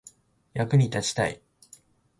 役に立ちたい